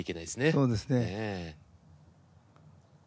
そうですね。